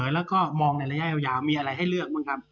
แล้วก็มองในระยะยาวมีอะไรให้เลือกบ้างครับ